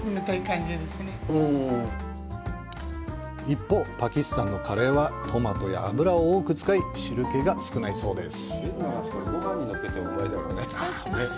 一方、パキスタンのカレーはトマトや油を多く使い、汁気が少ないそうです。